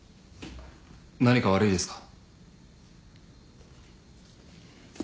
何か悪いですか？